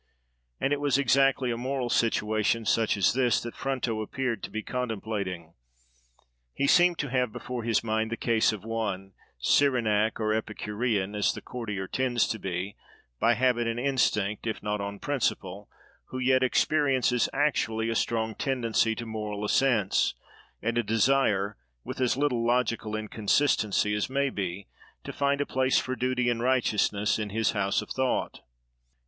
And it was exactly a moral situation such as this that Fronto appeared to be contemplating. He seemed to have before his mind the case of one—Cyrenaic or Epicurean, as the courtier tends to be, by habit and instinct, if not on principle—who yet experiences, actually, a strong tendency to moral assents, and a desire, with as little logical inconsistency as may be, to find a place for duty and righteousness in his house of thought.